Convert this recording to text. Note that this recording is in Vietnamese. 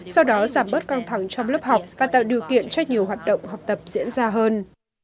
sau đó giảm bớt căng thẳng trong lớp học và tạo điều kiện cho nhiều hoạt động học tập diễn ra hơn